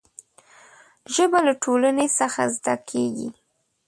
ژبه له ټولنې څخه زده کېږي.